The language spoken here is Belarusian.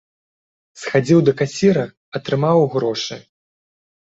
Схадзіў да касіра, атрымаў грошы.